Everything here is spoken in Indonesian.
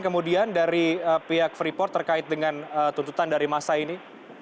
kemudian dari pihak freeport terkait dengan tuntutan dari masa ini